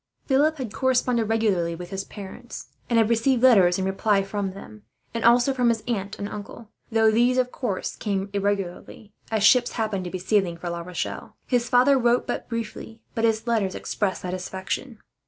Philip had corresponded regularly with his parents, and had received letters in reply from them, and also from his uncle and aunt; though these of course came irregularly, as ships happened to be sailing for La Rochelle. His father wrote but briefly, but his letters expressed satisfaction.